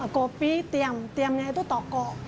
kopi tiam tiamnya itu toko